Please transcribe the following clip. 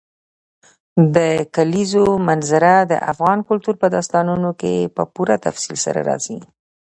د کلیزو منظره د افغان کلتور په داستانونو کې په پوره تفصیل سره راځي.